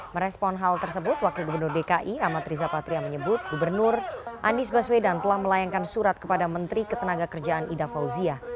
merespon hal tersebut wakil gubernur dki amat riza patria menyebut gubernur anies baswedan telah melayangkan surat kepada menteri ketenaga kerjaan ida fauzia